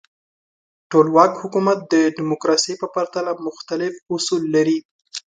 ټولواک حکومت د دموکراسۍ په پرتله مختلف اصول لري.